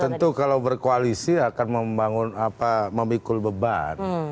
tentu kalau berkoalisi akan memikul beban